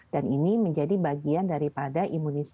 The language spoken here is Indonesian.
dan ini menjadi bagian daripada imunisasi